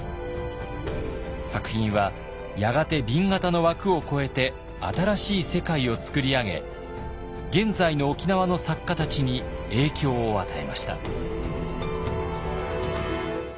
作品はやがて紅型の枠を超えて新しい世界を作り上げ現在の沖縄の作家たちに影響を与えました。